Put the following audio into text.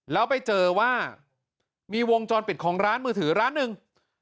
แล้วไปเจอว่ามีวงจรปิดของร้านมือถือร้านหนึ่ง